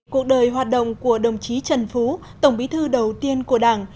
cuộc đời hoạt động của đồng chí trần phú tổng bí thư đầu tiên của đảng